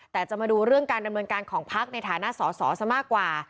แต่จะมาดูเรื่องการดำเนินการของพักในฐานะสอสอซะมากกว่า